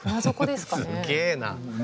すげえな。